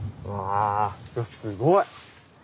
うわすごい！